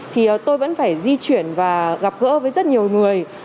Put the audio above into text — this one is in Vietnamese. thì tôi vẫn phải di chuyển và gặp gỡ với rất nhiều người